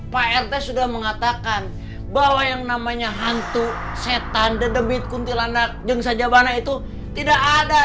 pak rt sudah mengatakan bahwa yang namanya hantu setan the debit kuntilanak jengsa jabana itu tidak ada